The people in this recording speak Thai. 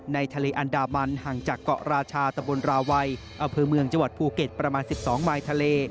ทะเลอันดามันห่างจากเกาะราชาตะบนราวัยอำเภอเมืองจังหวัดภูเก็ตประมาณ๑๒มายทะเล